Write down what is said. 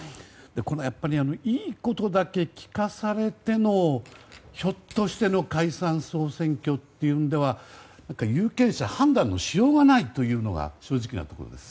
この、良いことだけ聞かされてのひょっとしての解散・総選挙というのでは有権者、判断のしようがないというのが正直なところです。